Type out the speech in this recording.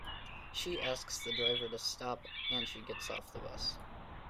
She asks the driver to stop and she gets off the bus.